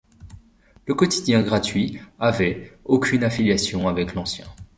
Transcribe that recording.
Le quotidien gratuit avait aucune affiliation avec l'ancien.